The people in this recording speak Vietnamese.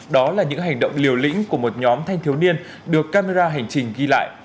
đó là những hành động liều lĩnh của một nhóm thanh thiếu niên được camera hành trình ghi lại